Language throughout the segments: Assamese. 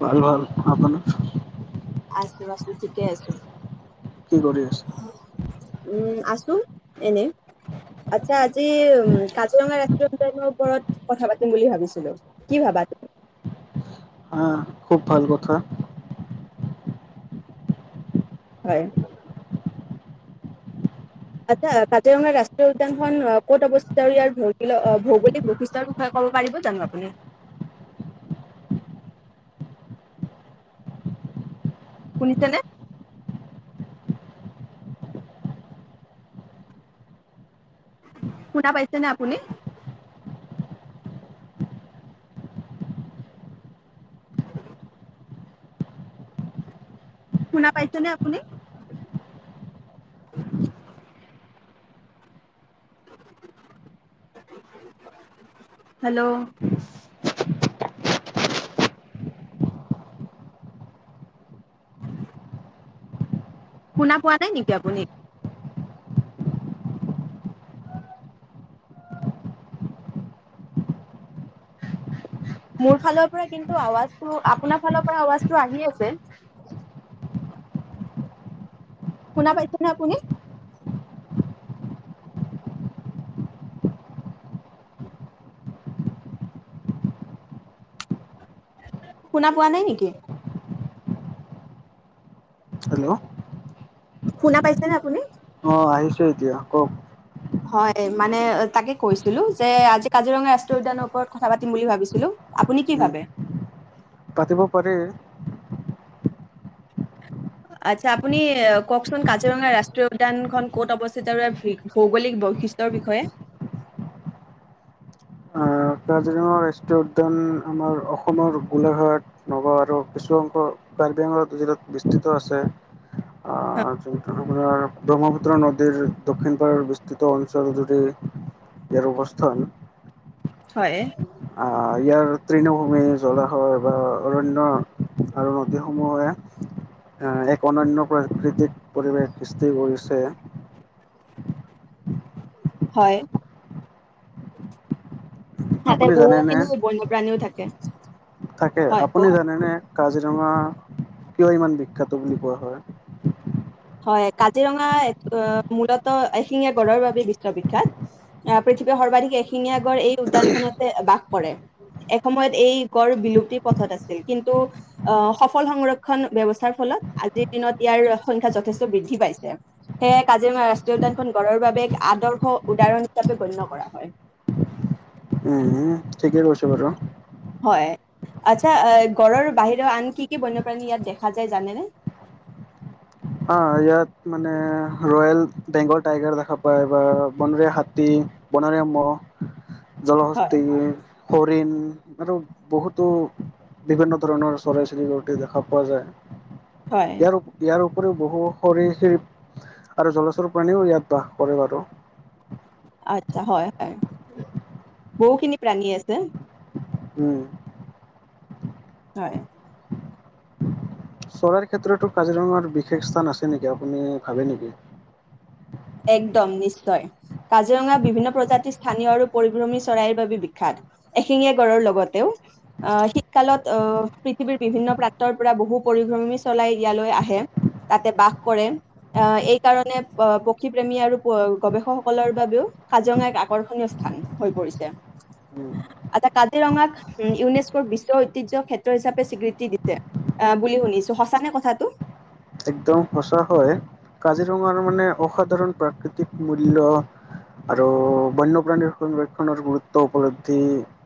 ভাল ভাল। আপোনাক? আছো আছো ঠিকে আছো? কি কৰি আছা? উম আছো এনে আচ্ছা আজি উ কাজিৰঙা ৰেষ্টুৰেণ্ট ওপৰত কথা পাতিম বুলি ভাবিছিলো কি ভাবা তুমি। আহা খুব ভাল কথা? হয়? আচ্ছা কাজিৰঙাৰ ৰাষ্ট্ৰীয় উদ্যানখন ক'ত অৱস্থিত আৰু ইয়াৰ ভ ভৌগোলিক বৈশিষ্ট্যৰ বিষয়ে কব পাৰিব জানো আপুনি। শুনিছেনে? হুনা পাইচে নে আপুনি? শুনা পাইছ নে আপুনি? হেল্ল' শুনা পোৱা নাই নেকি আপুনি? মোৰ ফালৰ পৰা কিন্তু আৱাজটো আপোনাৰ ফালৰ পৰা আৱাজটো আহি আছে? হোনা পাইছে নে আপুনি? শুনা পোৱা নাই নেকি? হেল্ল' শুনা পাইছে নে আপুনি? অ আহিছো এতিয়া কওক? হয় মানে তাকে কৈছিলো যে আজি কাজিৰঙা ৰাষ্ট্ৰীয় উদ্যানৰ ওপৰত কথা পাতিম বুলি ভাবিছিলো আপুনি কি উম ভাবে। পাতিব পাৰি? আচ্ছা আপুনি কওকচোন কাজিৰঙা ৰাষ্ট্ৰীয় উদ্যান খন ক'ত অৱস্থিত আৰু ভৌগোলিক বৈশিষ্ট্যৰ বিষয়ে? আহ কাজিৰঙা ৰাষ্ট্ৰীয় উদ্যান আমাৰ অসমৰ গোলাঘাট নগাঁও আৰু কিছু অংশ কাৰ্বি আংলং জিলাত বিস্তৃত আছে? যোনটো আপোনাৰ [unintelligible] ব্ৰহ্মপুত্ৰ নদীৰ দক্ষিণ পাৰৰ বিস্তৃত অঞ্চলজুৰি ইয়াৰ অৱস্থান হয় ইয়াৰ তৃণভূমি জলাশয় বা অৰণ্য আৰু নদীসমূহে এক অনন্য প্ৰাকৃতিক পৰিৱেশ সৃষ্টি কৰিছে হয় তাতে আপুনি বহুখিনি বন্যপ্ৰাণীও থাকে [inaudible] [inaudible] থাকে হয় কওক আপুনি জানেনে কাজিৰঙা কিয় ইমান বিখ্যাত বুলি কোৱা হয় হয় কাজিৰঙা মূলত এশিঙীয়া গড়ৰ বাবোব বিশ্ববিখ্যাত পৃথিৱীৰ সৰ্বাধিক এশিঙীয়া গড় এই উদ্যানখনতে বাস কৰে এসময়ত এই গড় বিলুপ্তিৰ পথত আছিল কিন্তু আহ সফল সংৰক্ষণ ব্যৱস্থাৰ ফলত আজিৰ দিনত ইয়াৰ যথেষ্ট বৃদ্ধি পাইছে, সেয়ে কাজিৰঙা ৰাষ্ট্ৰীয় উদ্যানখন গঢ়ৰ বাবে এক আদৰ্শ, উদাহৰণ- হিচাপে গণ্য কৰা হয়। উম ঠিকেই কৈছে বাৰু আচ্ছা, গঁড়ৰ বাহিৰে আন কি-কি বন্যপ্ৰাণী ইয়াত দেখা যায় জানেনে? অ' ইয়াত মানে ৰয়েল বেংগল টাইগাৰ দেখা পোৱা যায় বনৰীয়া হাতী বনৰীয়া মহ', হয় জলহস্তী, হৰিণ আৰু বহুতো বিভিন্ন ধৰণৰ চৰাইক-চিৰিকটি দেখা পোৱা যায়। হয় ইয়াৰ ইয়াৰ উপৰিও বহু সৰিচিপ আৰু জলচৰ প্ৰাণীও ইয়াত বাস কৰে বাৰু। আচ্ছা, হয়-হয় বহুখিনি প্ৰাণী আছে। উম, হয়। চৰাইৰ ক্ষেত্ৰতো কাজিৰঙাৰ বিশেষ স্থান আছে নেকি? আপুনি ভাবে নেকি? একদম, নিশ্চয় কাজিৰঙা বিভিন্ন প্ৰজাতিৰ স্থানীয় আৰু পৰিভ্ৰমী চৰাইৰ বাবে বিখ্যাত। এশিঙীয়া গড়ৰ লগতেও আহ শীতকালত আহ পৃথিৱীৰ বিভিন্ন প্ৰান্তৰ পৰা বহু পৰিভ্ৰমী চৰাই ইয়ালৈ আহে, তাতে বাস কৰে আহ এই কাৰণে, আহ' পক্ষী প্ৰেমী আৰু গৱেষকসকলৰ বাবেও কাজিৰঙা এক আকৰ্ষণীয় স্থান হৈ পৰিছে। উম। আ, কাজিৰঙাক ইউনেস্কয় বিশ্ব ঐতিহ্য‌ ক্ষেত্ৰ হিচাপে স্বীকৃতি দিছে, আহ' বুলি শুনিছো সঁচা নে কথাটো। একদম সচা হয়, কাজিৰঙাৰ মানে অসাধাৰণ প্ৰাকৃতিক মূল্য আৰু বন্যপ্ৰাণীৰ সংৰক্ষণৰ গুৰুত্ব উপলব্ধি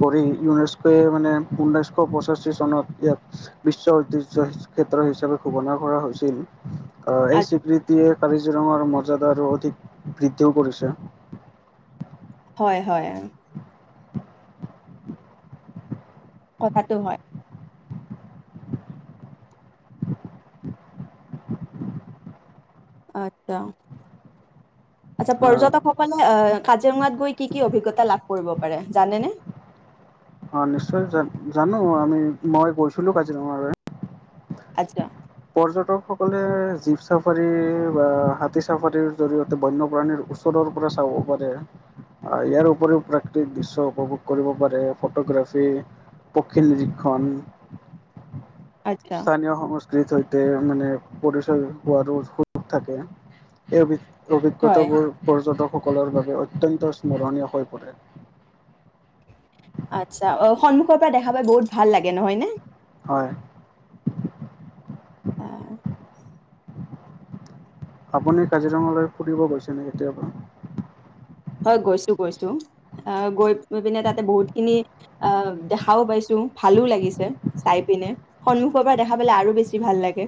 কৰি ইউনেস্কয় মানে ঊনৈশ পঁচাশী চনত ইয়াক বিশ্ব ঐতিহ্য ক্ষেত্ৰ হিচাপে ঘোষণা কৰা হৈছে। তিনি [unintelligible] অ' এই স্বীকৃতিয়ে কাজিৰঙাৰ মৰ্য্যদা আৰু অধিক বৃদ্ধিও কৰিছে। হয়-হয়, কথাতটো হয়। আচ্ছা, আচ্ছা আহ পৰ্যটকসকলে আহ, কাজিৰঙাত গৈ কি-কি অভিজ্ঞতা লাভ কৰিব পাৰে জানেনে? অ' নিশ্চয় জানো আমি মই গৈছিলো কাজিৰঙালৈ। আচ্ছা পৰ্যটকসকলে জীপ চাফাৰী বা হাতী চাফাৰীৰ জৰিয়তে বন্যপ্ৰাণীৰ ওচৰৰ পৰা চাব পাৰে, আহ' ইয়াৰ উপৰিও প্ৰাকৃতিক দৃশ্য উপভোগ কৰিব পাৰে। ফটোগ্ৰাফী পক্ষী নিৰীক্ষণ আচ্ছা স্থানীয় সম ক সৈতে মানে পৰিচয় হোৱাৰো সুযোগ থাকে। সেই অভিজ্ঞতা হয় বোৰ পৰ্যটকক সকলৰ বাবে অত্যন্ত স্মৰণীয় হৈ পৰে। আচ্ছা, অ' সন্মুখৰ পৰা দেখা পাই বহুত ভাল লাগে নহয় নে? হয়। আহ, [inaudible] আপুনি কাজিৰঙালৈ ফুৰিব গৈছেনে কেতিয়াবা হয়, গৈছো-গৈছো আহ গৈ পিনে তাতে বহুতখিনি আহ দেখাও পাইছো, ভালো লাগিছে চাই পিনে সন্মুখৰ পৰা দেখা পালে আৰু বেছি ভাল লাগে।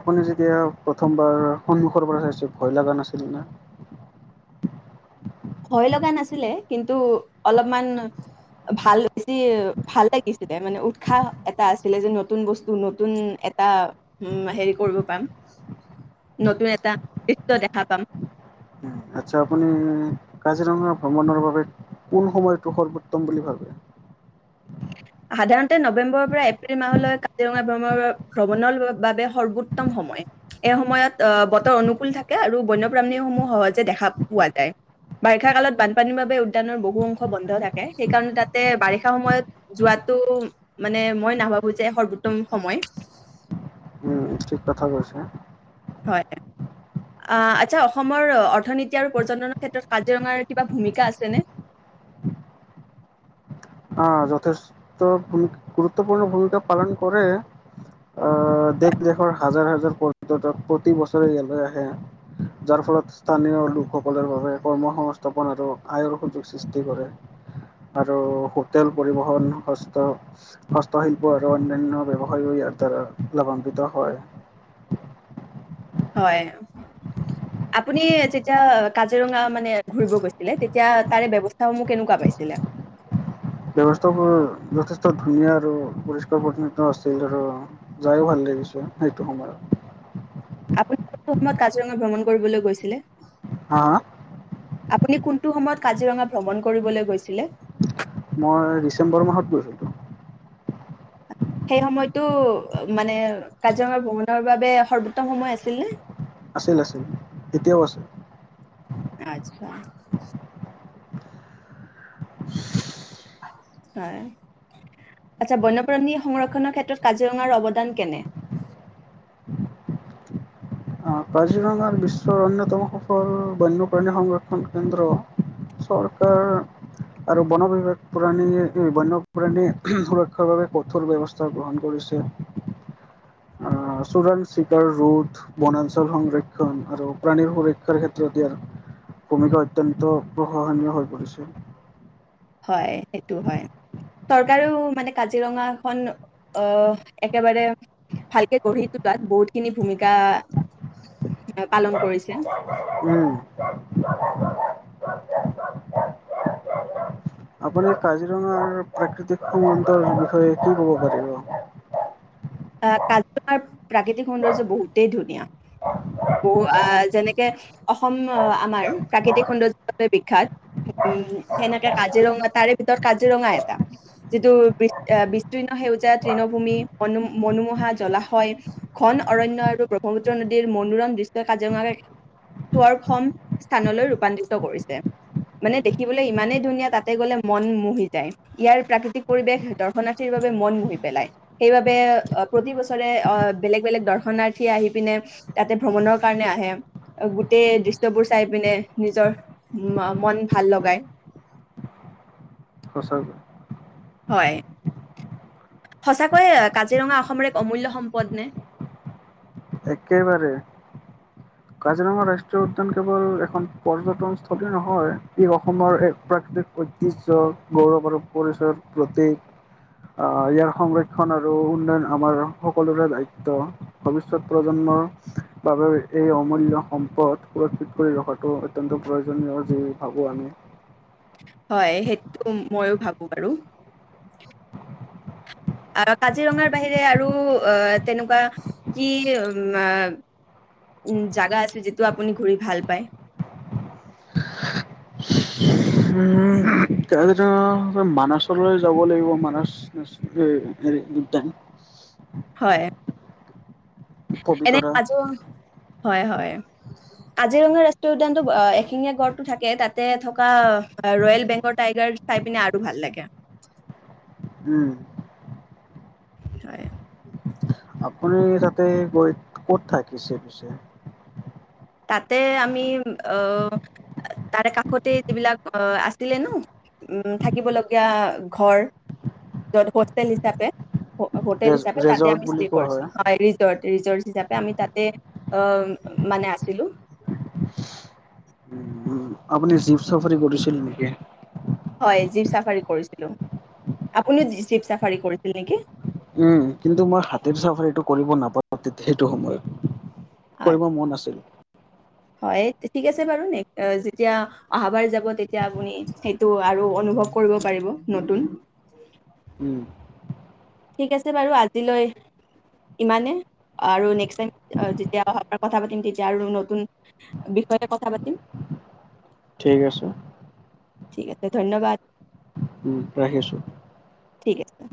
আপুনি যেতিয়া প্ৰথমবাৰ সন্মুখৰ পৰা চাইছে ভয় লগা নাছিল নে? ভয় লগা নাছিলে কিন্তু অলপমান ভাল বেছি ভাল লাগিছিলে মানে উৎসাহ এটা আছিলে। যে নতুন বস্তু নতুন এটা উ' হেৰি কৰিব পাম নতুন এটা দৃশ্য দেখা পাম। আচ্ছা, আপুনি কাজিৰঙা ভ্ৰমণৰ বাবে কোন সময়টো সৰ্বোত্তম বুলি ভাবে? সাধাৰণতে নৱেম্বৰৰ পৰা এপ্ৰিল মাহলৈ কাজিৰঙাৰ ভ্ৰমণৰ বাবে সৰ্বোত্তম সময়, এই সময়ত আহ' বতৰ অনুকূল থাকে আৰু বন্যপ্ৰাণী সমূহ সহজে দেখা পোৱা যায়। বাৰিষা কালত বানপানীৰ বাবে উদ্যানৰ বহু অংশ বন্ধ থাকে। সেইকাৰণে তাতে বাৰিষা সময়ত। যোৱাতটো মানে মই নাভাবো যে সৰ্বোত্তম সময়। উম, ঠিক কথা কৈছে। হয়। আহ, আচ্ছা' অসমৰ অৰ্থনীতি আৰু পৰ্যটনৰ ক্ষেত্ৰত কাজিৰঙাৰ কিবা ভূমিকা আছেনে? আহ যথেষ্ট ভূমি গুৰুত্বপূৰ্ণ ভূমিকা পালন কৰে। আহ' দেশ-দেশৰ হাজাৰ-হাজাৰ পৰ্যটক প্ৰতি বছৰে ইয়ালৈ আহে যাৰ ফলত স্থানীয় লোকসকলৰ বাবে কৰ্ম সংংস্থাপন আৰু আয়ৰ সুযোগ সৃষ্টি কৰে আৰু তেল পৰিবহণ হস্ত, হস্তশিল্প আৰু অন্যান্য ব্যৱসায় ইয়াৰ দ্বাৰা লাভান্বিত হয়। হয় আপুনি যেতিয়া কাজিৰঙা মানে ঘূৰিব গৈছিলে, তেতিয়া তাৰে ব্যৱস্থাসমূহ কেনেকুৱা পাইছিলে। ব্যৱস্থাবোৰ যথেষ্ট ধুনীয়া আৰু পৰিষ্কাৰ পৰিষ্কন্নতা আছিল আৰু যায়ো ভাল লাগিছে সেইটো সময়ত। আপুনি কোনটো সময়ত কাজিৰঙা ভ্ৰমণ কৰিবলৈ গৈছিলে। হা আপুনি কোনটো সময়ত কাজিৰঙা ভ্ৰমণ কৰিবলৈ গৈছিলে মই ডিচেম্বৰ মাহত গৈছিলোঁ সেই সময়তটো মানে কাজিৰঙা ভ্ৰমণৰ বাবে সৰ্বোত্তম সময় আছিল নে আছিল আছিল এতিয়াও আছে আচ্ছা হয় আচ্ছা বন্যপ্ৰাণী সংৰক্ষনৰৰ ক্ষেত্ৰত কাজিৰঙাৰ অৱদান কেনে? কাজিৰঙাৰ বিশ্বৰ অন্যতম সফল বন্যপ্ৰাণী সংৰক্ষণ কেন্দ্ৰ চৰকাৰ আৰু বন বিভাগ প্ৰাণী বন্যপ্ৰাণী সুৰক্ষাৰ বাবে কঠোৰ ব্যৱস্থা গ্ৰহণ কৰিছে চোৰাং চিকাৰ ৰোড বনাঞ্চল ফচল সংৰক্ষণ আৰু প্ৰাণীৰ সুৰক্ষাৰ ক্ষেত্ৰত ইয়াৰ ভূমিকা অত্যন্ত প্ৰশাসনীয় হৈ পৰিছে হয় সেইটো হয় চৰকাৰেও মানে কাজিৰঙাখন আহ একেবাৰে ভালকে গঢ়ি তোলাত বহুতখিনি ভূমিকা পালন কৰিছে উম আপুনি কাজিৰঙাৰ প্ৰাকৃতিক সুন্দৰ বিষয়ে কি ক'ব পাৰিব? কাজিৰঙাৰ প্ৰাকৃতিক সৌন্দৰ্য বহুতেই ধুনীয়া বহু আহ যেনেকে অসম আমাৰ প্ৰাকৃতিক সৌন্দৰ্য্য বিখ্যাত উ সেনেকে কাজিৰঙা তাৰে ভিতৰত কাজিৰঙা এটা যিটো বি বিস্তীৰ্ণ সেউজীয়া তৃণভূমি মনোমোহা জলাশয় ঘন অৰণ্যয় আৰু ব্ৰহ্মপুত্ৰ নদীৰ মনোৰম দৃশ্যই কাজিৰঙাক সুৰক্ষ স্থানলৈ ৰূপান্তৰিত কৰিছে মানে উম, দেখিবলৈ ইমানেই ধুনীয়া তাতে গলে মন মোহি যায় ইয়াৰ প্ৰাকৃতিক পৰিৱেশ দৰ্শনাৰ্থীৰ বাবে মন মোহি পেলায় সেইবাবে প্ৰতি বছৰে আহ বেলেগ বেলেগ দৰ্শনাৰ্থী আহি পিনে তাতে ভ্ৰমণৰ কাৰণে আহে গোটেই দৃশ্যবোৰ চাই পিনে নিজৰ মন ভাল লগায় সঁচা গৈ হয় সঁচাকৈয় কাজিৰঙা অসমৰ এক অমূল্য সম্পদ নে? একেবাৰে, কাজিৰঙা ৰাষ্ট্ৰীয় উদ্যান কেৱল এখন পৰ্যটনস্থলী নহয় ই অসমৰ এক প্ৰাকৃতিক ঐতিহ্য গৌৰৱ আৰু পৰিচয়ৰ প্ৰতীক ইয়াৰ সংৰক্ষণ আৰু উন্নয়ন আমাৰ সকলোৰে দায়িত্ব ভৱিষ্যত প্ৰজন্মৰ বাবে এই অমূল্য সম্পদ সুৰক্ষিত কৰি ৰখাটো অত্যন্ত প্ৰয়োজনীয় যি ভাবোঁ আমি হয় সেইটো ময়ো ভাবো বাৰু আহ কাজিৰঙাৰ বাহিৰে আৰু আহ তেনেকুৱা কি উ উ জাগা আছে যিটো আপুনি ঘুৰি ভাল পায় অহ কালিতো মানচলৈ যাব লাগিব মানাছ নেচনেল উদ্যান হয় এনেই পবিতৰা আজু হয় হয় কজিৰঙা ৰাষ্ট্ৰীয় উদ্যানতটো এশিঙীয়া গড়টো থাকে তাতে থকা ৰয়েল বেংগৰ টাইগাৰ চাই পিনে আৰু ভাল লাগে উম, হয় আপুনি তাতে গৈ ক'ত থাকিছে পিছে তাতে আমি অ তাৰে কাষতে যিবিলাক আছিলে ন উ থাকিব লগগীয়া ঘৰ যত হোষ্টেল হিচাপে হোটেল হিচাপে তাতে ৰেজৰ্ট আমি ষ্ট বুলি কোৱা কৰিছো হয় ৰিজট ৰিজট হিচাপে আমি তাতে অ মানে আ আছিলো উম, আপুনি জীপ চাফাৰী কৰিছিল নেকি হয় জীপ চাফাৰী কৰিছিলো আপুনিও জীপ চাফাৰী কৰিছিল নেকি? উম কিন্তু মই হাতীৰ চাফাৰীটো কৰিব নাপালো সেইটো সময়ত আচ্ছা কৰিব মন আছিল। হয় তিতিছে বাৰুনে জেতিয়া অহা বাৰ জাব তেতিয়া আপুনি সটো আৰু অনুভৱ কৰিব পাৰিব নতুন উম, ঠিক আছে বাৰু আজিলৈ ইমানে। আৰু নেক্সতাইম যেতিয়া অহাবাৰ কথা পাতিম তেতিয়া আৰু নতুন বিষয় লৈ কথা পাতিম। ঠিক আছে। ঠিক আছে ধন্যবাদ ৰাখিছোঁ। ঠিক আছে।